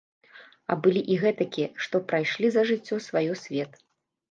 А былі і гэтакія, што прайшлі за жыццё сваё свет.